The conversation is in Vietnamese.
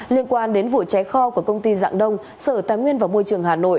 liên quan đến vụ cháy kho của công ty dạng đông sở tài nguyên và môi trường hà nội